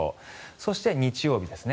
そして、日曜日ですね。